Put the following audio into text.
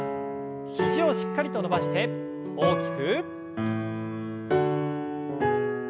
肘をしっかりと伸ばして大きく。